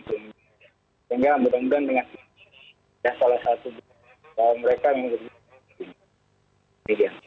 sehingga mudah mudahan dengan salah satu jalan mereka ini dia